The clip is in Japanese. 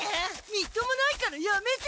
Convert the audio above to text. みっともないからやめて！